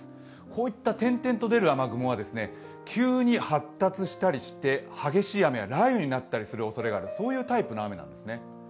こういった点々と出る雨雲は急に発達したりして激しい雨や雷雨になったりおそれがあるそういうタイプの雨なんですね。